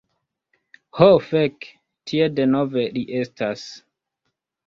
Ho fek. Tie denove li estas.